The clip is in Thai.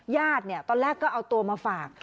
ญาติตอนแรกก็เอาตัวมาฝาก